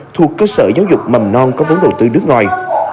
thuộc cơ sở giáo dục mầm non có vốn đầu tư nước ngoài